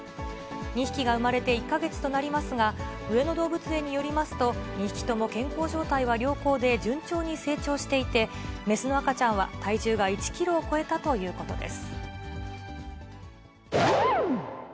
２匹が産まれて１か月となりますが、上野動物園によりますと、２匹とも健康状態は良好で、順調に成長していて、雌の赤ちゃんは体重が１キロを超えたということです。